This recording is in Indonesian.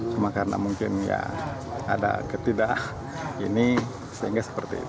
cuma karena mungkin ya ada ketidak ini sehingga seperti itu